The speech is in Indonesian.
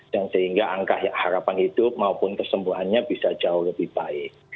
dan sehingga angka harapan hidup maupun kesembuhannya bisa jauh lebih baik